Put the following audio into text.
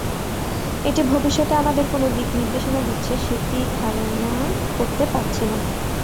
এটি ভবিষ্যতে আমাদের কোনো দিক নির্দেশনা দিচ্ছে, সেটি ধারণা করতে পারছি না।